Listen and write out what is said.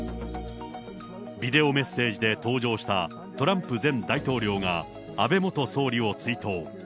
ビデオメッセージで登場したトランプ前大統領が安倍元総理を追悼。